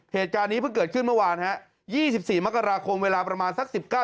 เหตุการณ์นี้เพิ่งเกิดขึ้นเมื่อวานฮะยี่สิบสี่มกราคมเวลาประมาณสักสิบเก้า